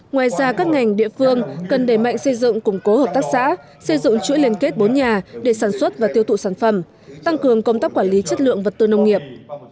ngoài ra các ngành địa phương cần đẩy mạnh xây dựng củng cố hợp tác xã xây dựng chuỗi liên kết bốn nhà để sản xuất và tiêu thụ sản phẩm tăng cường công tác quản lý chất lượng vật tư nông nghiệp